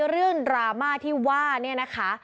เรื่องดราม่าที่ว่าเนี่ยนะคะ